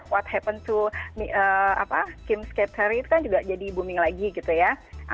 what happened to kim skateri itu kan juga jadi booming lagi gitu ya